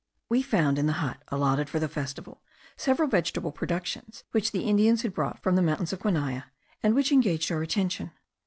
We found in the hut allotted for the festival, several vegetable productions which the Indians had brought from the mountains of Guanaya, and which engaged our attention.